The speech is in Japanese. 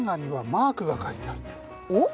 おっ？